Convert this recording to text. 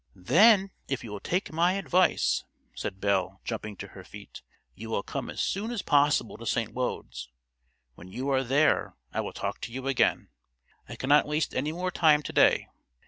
"Then if you will take my advice," said Belle, jumping to her feet, "you will come as soon as possible to St. Wode's. When you are there I will talk to you again. I cannot waste any more time to day.